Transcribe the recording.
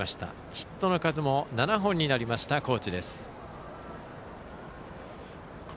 ヒットの数も７本になった高知。